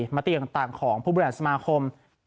๑๙๔มาติอย่างต่างของผู้บริหารสมาคม